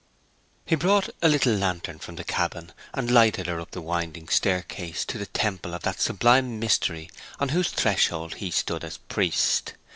He brought a little lantern from the cabin, and lighted her up the winding staircase to the temple of that sublime mystery on whose threshold he stood as priest.